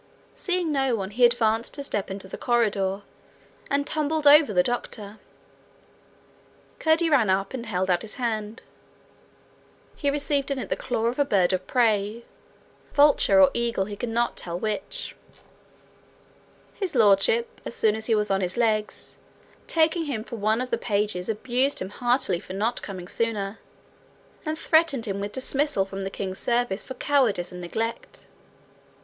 Seeing no one, he advanced to step into the corridor, and tumbled over the doctor. Curdie ran up, and held out his hand. He received in it the claw of a bird of prey vulture or eagle, he could not tell which. His Lordship, as soon as he was on his legs, taking him for one of the pages abused him heartily for not coming sooner, and threatened him with dismissal from the king's service for cowardice and neglect.